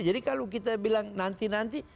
jadi kalau kita bilang nanti nanti